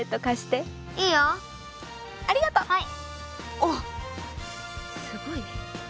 おおすごいね。